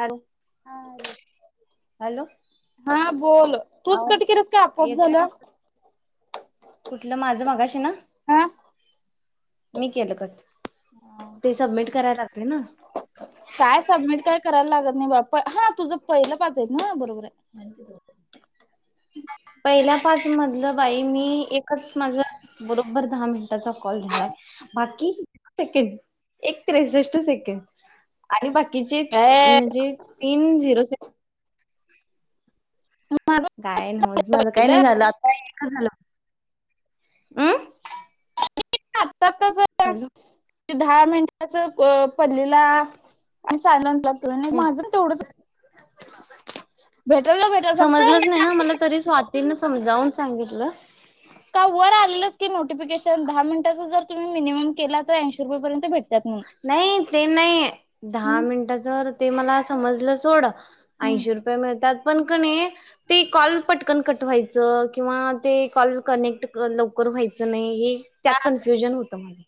Hello ह hello हा बोल तूच आवाज कटकिरस काय आपोआप येतोय ना झालं. कुठलं माझं मगाशी ना. हा. मी केलं कट ते सबमिट करायला लागते ना. काय सबमिट काय करायला लागत नाही बा हा तुझं पहिलं पाच आहे ना बरोबर आहे. पहिल्या पाच मधलं बाई मी माझा बरोबर दहा मिनिटाचा कॉल झालाय बाकी सेकड एक त्रेसष्ट सेकड आणि बाकी. बाचे आहे ए म्हणजे तीन झिरो. माझं काय ना होज माझं काही नाही पहिलं झालं आता. झाला अम [unintelligible] त तच हॅलो [unintelligible] दहा मिनटाचं अ. पल्लीला आणि सालाट लागतो माझं तेवढंच. भेटल भेटल फक्त समजलंच नाही ना मला तरी स्वाती समजावून सांगितलं वर आलेलंच की नोटिफिकेशन दहा मिनटाच जर तुम्ही मिनिम केला तर ंशी रुपयेपर्यंत भेट नाही ते नाही दहा हम्म मिनटाच्या ते मला समजलं सोडं ऐंशी रुपये मिळतात पण कनय ते कॉल पटकन कटवायचं किंवा ते कॉल कनेक्ट लवकर व्हायचं नाही हे त्यात कन्फ्युजन होत माझं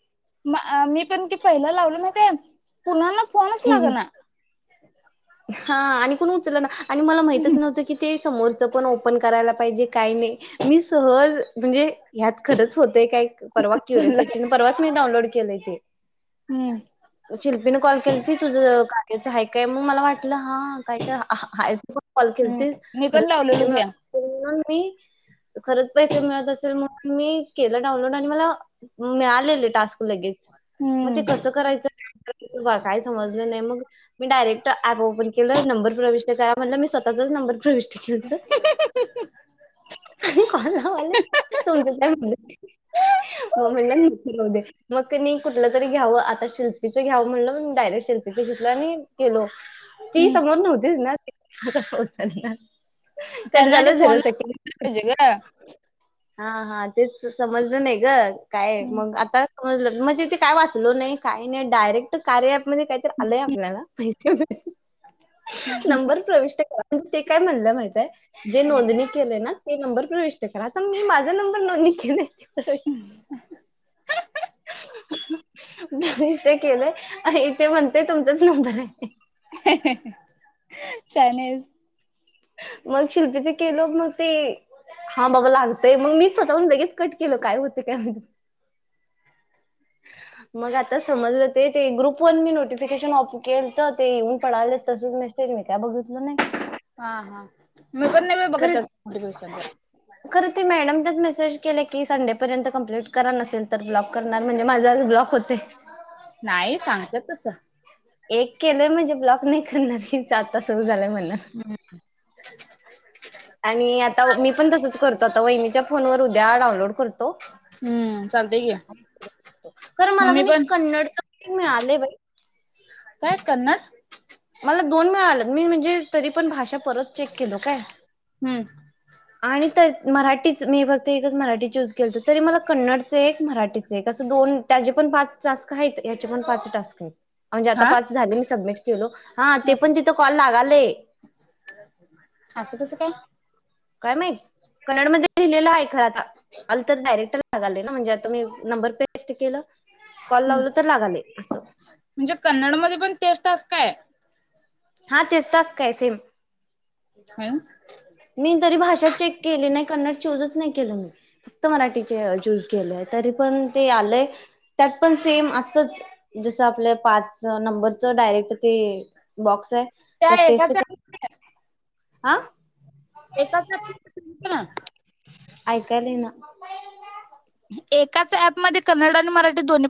अ मी पण ती पहिला लावल माहितीय कुणाला फोनच लाग ना ह हा आणि कोन उचल ना आणि मला माहीतच नव्हतं की ते समोरचं पण ओपन करायला पाहिजे काय नाही मी सहज म्हणजे हत खरंच होतय काय परवा क्युरिसिटीने परवाच मी डाउनलोड केलय ते हम्म शिल्पीने कॉल केलं त तुझ आहे काय मग मला वाट हा काय काय पण कॉल केली हम्म तस मी खरं पण लावलेलो पैसे घे मी. खरंच पैसे मिळत असेल मग मी केलं डाऊनलोड आणि मला मिळालेले टास्क लगेच मग ते हम्म कसं करायचं काय समजलं नाही मग मी डायरेक्ट ऍप ओपन केलं नंबर प्रवेश म्हणल मी स्वःचाच नंर प्रवेश च आणि कॉल लावायले तुमचं काय म्हलं मग म्हणलं दे मग कनय कुठलं तरी घ्यावं आता शिल्पचं घ्यावं म्हणलं डायरेक्ट शिल्पीच घेतल आणि गेलो ती हम्म समोर नव्हतीच ना मग कस उचलणार. कट त्यांना आधी झालं फोन झिरो सेकंड पाहिजे ग हा हा तेच समजलं नाही ग. काय मग आता म्हणजे ते काय वाचलो नाही काही नाही डायरेक्ट कार्य काय तर आलंय आपल्याला [unintelligible] नंबर प्रविष्ट म्हणजे ते काय म्हणलं माहितय जे नोंदणी केलं ना ते नंबर प्रविष्ट करा माझ्या नंबर नोंदणी केलंय [unintelligible] नाही ते केलंय आणि ते म्हणतेय तुमचाच नंबर आहे हें हें हें चायनीज मग शिल्पचे केल मग ते हा बाबा लागतय मग मी स्वतःह लगेच कट केल काय होते काय माहित मग आता समजलं ते ते ग्रुप वन मी नोटिफिकेशन ऑफ केल तर ते येऊन पडावलेत तसच मेसेज मी काय बघितलो नाही हा, हा, मी पण नाही बाई बघत खर त्याच नोटिफिकेशन तेन. खर ते मॅडम तर मेस के की संडेपर्यंत कंप्ट करा नसेल तर ब्लॉक करणार म्हणजे माझ आज ब्लॉक होतय नाही सांगतेत तस एक केलंय म्हणजे ब्लॉक नाही करणार, आता सुरू झालंय म्हण आणि आता मी पण तसच करतो आता वहिच्या फोनवर त्या डानलोड कर हॅलो हम्म चालतय की कारण मला मम्मी किनी पण कन्नड मिळालेय बई काय कन्नड मला दोन मिळाल म्हणजे तरी पण भाषा परत चेक केलो काय? हम्म आणि तर मराठीच मी फक्त एकच मराठी चूज केलं तर, तरी मला कन्नडच एक, मराठीचे एक, असं दोन त्याचे पण पाच टास्क आहेत, याचे पण पाच टास्क आहेत. म्हणजे आता हा पाच झाले मी सबमिट केलोक हा, ते पण तिथं कॉल लागाल- ते असं कसं काय काय माहीत कन्नड मध्ये लिहिलेलं आहे खर आता आल तर डायरेक्ट म्हणजे आता मी नंबर पेस्ट केल हम्म म्हणजे कन्नड मध्ये पण टेस्ट असं काय हा तेच टास्काय सेम कायहून मी तरी भाषा चेक केली नाही, कन्नड- चूजच नाही केलं मी फक्त मराठी चचूज केलंय तरी पण ते आलय त्यात पण सेम असच जस आपलं पाच नंबरच डायरेक्ट ते बॉक्स आहे त्या एकाच्या आ एकाच ना [unintelligible] ऐकायल येना एकाच ऍपमध्ये कनड आणि मराठी दोनी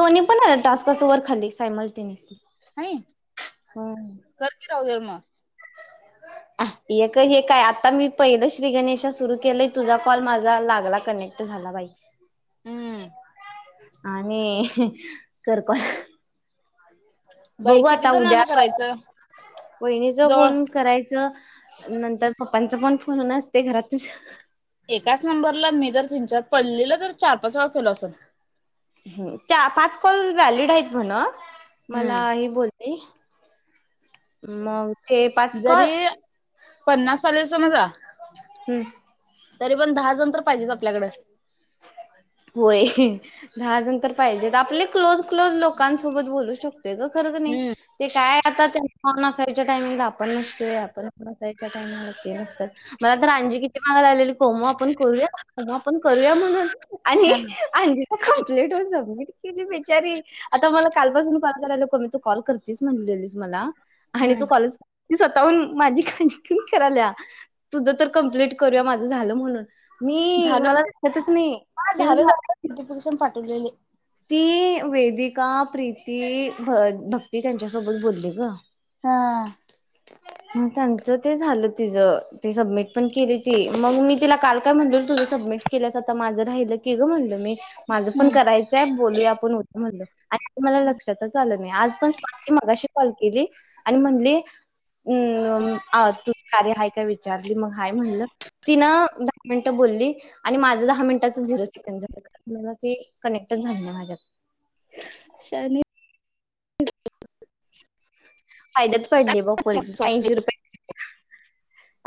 दोनी पण आहे टास्क- अस वर खाली सायमल टेनियसली. हाय कर की राव हे मग हे का हे काय आता मी पहिलं श्री गणेश सुरू केलं तुझा कॉल माझा लाग कनेक्ट झाला बाई. हम्म आणि कर कॉल [unintelligible] बाई बघू किती आता उद्या जणांना का करायचं वहिणीच जवळ फोन करायचं नंतर फक पपांचं पण फोन असत्य घरात त्याच एकाच नंबरला मी तर तीन चारपल्ली ला तर चार पाच वेळा केलो अस. ह पाच कॉल व्हॅलिड आहेत म्हणा हम्म. मला आई बोलती ते पाच जरी कॉल पन्नास आले समजा तरी पण दहा जण तर पाहिजेच आपल्याकड होय दहा जण तर पाहिजेत आपले क्लोज क्लोज लोकांसोबत बोलू शकतय का खरं नाही हा ते काय आता हा नसायच्या टायमिंगला आपण नसतोय आपणसाईच्या टामिंगला ते नसतो मला तर अंजी किती माग लागलेली कोमु आपण करूया कोमु आपण करूया म्हणून आणि अंजी कमप्लेट करून सबमिट केली बेचारी आता मला कालपासून ू बात करायली की कोमे तू कॉल करतेस म्हणलीस मला आणि हम्म तू कॉलेज स्वतःहून माझी काळजी कराला या तुझं तर कमप्लीट करूया माझं झालं म्हणून मी झालं मला वातच नाही हा ते झालं झा नोटिफिकेशन पाठवलेले ती वेदिका प्रीती भ भक्ती त्यांच्यासोबत बोलली ग हा मग त्यांच ते झालं ति ते सबमिट पण केली त मग मी तिला काल काय म्ह तुझं सबमिट केल्यास आता माझं लं ग म्हणलं मी माझं पण हम्म करायचंय बोलूया आपण होतं म्हणल आणि मला लक्षातच आलं नाही आज पण स्वती मगाशी कॉल केली आणि म्हणली हम्म आ तू काे हय काय विचारली मग हाय म्हणलं तिनं दहा मिनटं बोलली आणि माझ दहा मिनटाच झिरो सेकड झालं मला ते कनेक्टेड झाले ना माझ्यात शनी फाद्यात पडली बग पोरगी ऐंशी रुपये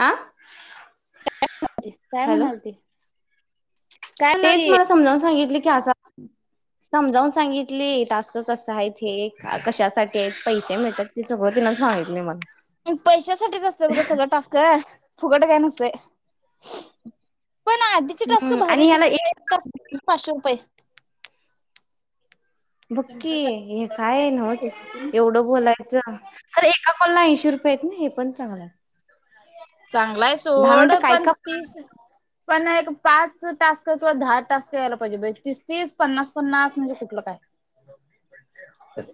आ य म्हणा काय हॅलो म्हणाल ते काय म्हणाल तेच ते मला समजून सांगितले समजावून सांगितले टास्क कस आहे हे कशासाठी आहेत पैसे मिळतात ते सगळं तिन सांगितले पैशासाठीच असतात ग मला सगळं टास्क फुकट काय नसतंय पण आधीचे टस्क हम्म भर आणि होती ह्याला एक ट पाचशे रुपये बक्की तुमचं हे काय आहे नच शब्द एवढं बोलायचं खरं एका कोलला ऐशी रुपये ना हे पण चांगलं चांगला आहे दहा सोड मिनट काय पण का तीस पण एक पाच तास्क किंवा दहा ताास यायला पाहिजे ब तीस पन्नास पन्नास म्हणजे कुठलं काय [inaudible]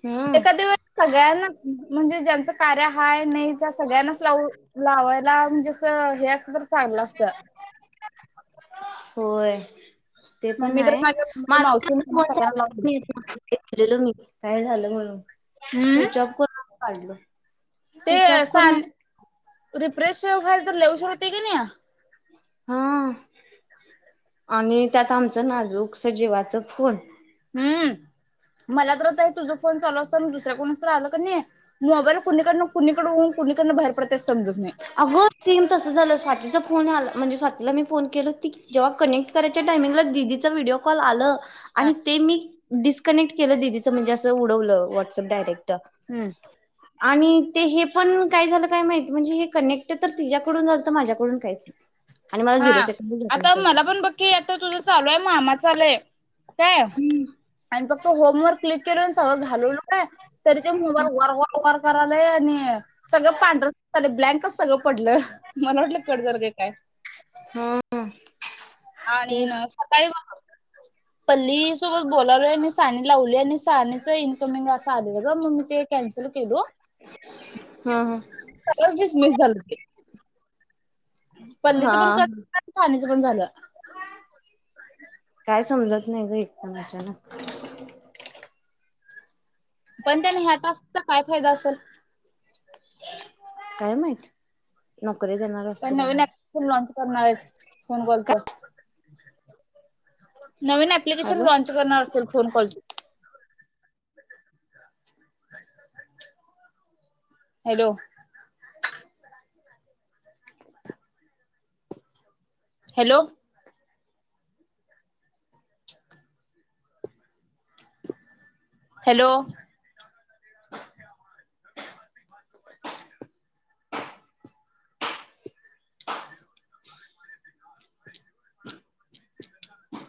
हम्म एखाद्या वेळेस सगळ्यांना म्हणजे ज्यांचं कार्या हाय नाही त्या सगळ्यांनाच लाव लावायला म्हणजे असं हे असतं तर चाललं असतं. होय. ते पण मम्मी तर आहे माझ्या मावशी सगळ्यांना लावून दिलं [unintelligible] काय झालं म्हणून? हम्म स्विच ऑफ [unintelligible] काढलो. ते स्विच ऑफ करून [unintelligible] रिफ्रेश व्हायला तर लई उशीर होतंय क नाई? हां आणि त्यात आमचं नाजूक स जिवाचं फोन. नाही हम्म मला तर आता हे तुझं फोन चालू असताना दुसऱ्या कुणाचं तर आलं का नाही, मोबाईल कुणीकडनं कुणीकडं होऊन कुणीकडन बाहेर पडतंय समजत नाही. अगं सेम तसं झालं स्वातीचा फोन आ म्हणजे स्वातीला मी फोन केलं की जेव्हा ती कनेक्ट करायच्या टायमिंगला दिदीचा व्हिडिओ कॉल आलं हा आणि ते मी डिस्कनेक्ट केलं दिदीचं म्हणजे असं उडवलं व्हॉट्सॲप डायरेक्ट हम्म [unintelligible] आणि ते हे पण काय झालं काय माहित म्हणजे हे कनेक्ट तर तिच्याकडून झालंत माझ्याकडून काहीच नाही. आणि मला झिरो हां सेकंड भेटल आता शेवटी मला पण बघ की आता तुझं चालू आहे म मामाचं आलंय. काय, आणि फक्त होमवर्क क्लिक करून सगळं घालवलं काय, तरी ते मोबाईल वर वर वर करा आणि सगळं पांढर ब्लँकच सगळं पडलं मला वाटलं कड जर का काय ह आणि तेच सकाळी मग पल्ली सोबत बोलालोय आणि साणी लावली आणि सानेचा इन्कमिंग असा आले बघ मग मी ते कॅन्सल केलो. ह ह सगळच च मिस मिस झालंती पल्लीचं पण हा क. [unintelligible] पण झालं काय समजत नाही का एकद अच्यान पण त्याने ह्या टास्कचा काय फायदा असेल [inaudible] काय माहत न करे देणार पण असतील नवीन आम्हाला. ऍप्लिकेशन लॉन्च करणार आहेच फोन कॉलचा. नवीन ऍप्लिकेशन हॅलो लॉन्च करणार असेतील फोन कॉलचे. हॅलो. हॅलो. हॅलो [inaudible]